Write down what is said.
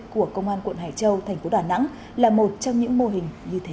của công an quận hải châu thành phố đà nẵng là một trong những mô hình như thế